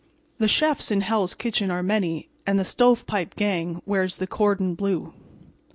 The chefs in "Hell's Kitchen" are many, and the "Stovepipe" gang, wears the cordon blue.